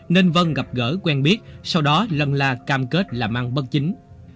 nên vân gặp gỡ quen biết sau đó lân la cam kết làm ăn bất chính